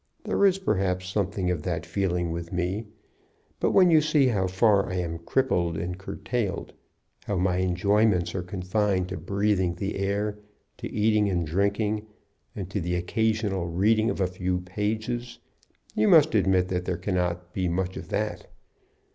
There is, perhaps, something of that feeling with me; but when you see how far I am crippled and curtailed, how my enjoyments are confined to breathing the air, to eating and drinking, and to the occasional reading of a few pages, you must admit that there cannot be much of that.